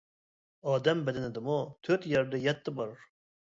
ئادەم بەدىنىدىمۇ تۆت يەردە يەتتە بار.